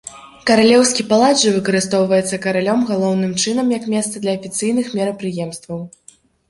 Каралеўскі палац жа выкарыстоўваецца каралём галоўным чынам як месца для афіцыйных мерапрыемстваў.